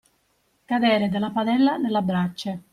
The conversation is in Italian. Cadere dalla padella nella brace.